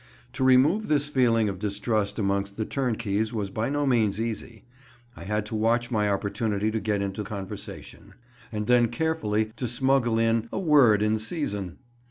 To remove this feeling of distrust amongst the turnkeys was by no means easy. I had to watch my opportunity to get into conversation, and then carefully to smuggle in "a word in season."